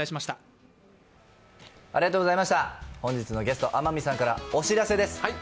本日のゲスト、天海さんからお知らせです。